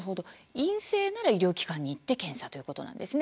陰性なら医療機関に行って検査ということなんですね。